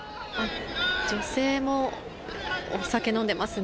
女性もお酒を飲んでいますね。